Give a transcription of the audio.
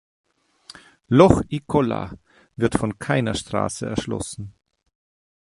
Loch ’ic Colla wird von keiner Straße erschlossen.